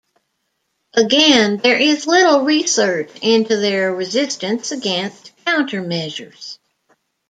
Again, there is little research into their resistance against countermeasures.